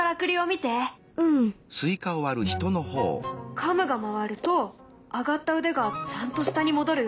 カムが回ると上がった腕がちゃんと下に戻るよ。